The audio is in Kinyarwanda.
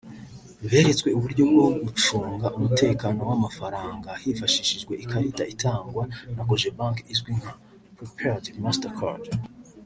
beretswe uburyo bwo gucunga umutekano w’amafaranga hifashishijwe ikarita itangwa na Cogebanque izwi nka Prepaid Master Card